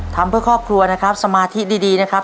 ทำเพื่อครอบครัวนะครับสมาธิดีนะครับ